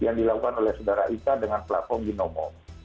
yang dilakukan oleh sodara ica dengan platform ginomo